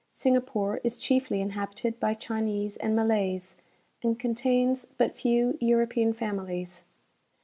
Singapore is chiefly inhabited by Chinese and Malays, and contains but few European families.